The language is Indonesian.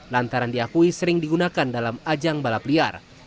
lantaran diakui sering digunakan dalam ajang balap liar